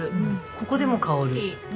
ここでも香る。